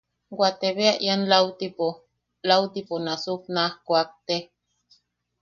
Waate bea ian lautipo... lautipo nasuk naj kuakte.